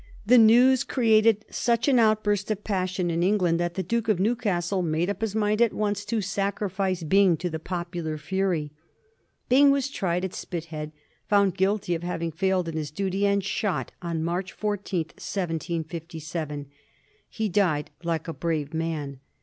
The news created such an outburst of passion in England that the Duke of Newcastle made up his mind at once to sacrifice Byng to the popular fury. Byng was tried at Spitheady found guilty of having failed in his duty, and shot on March 14, 1757. He died like a brave man.